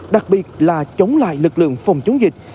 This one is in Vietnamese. đặc biệt là chống lại lực lượng phòng chống dịch